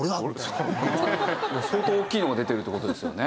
相当大きいのが出てるって事ですよね。